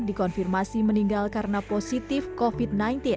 dikonfirmasi meninggal karena positif covid sembilan belas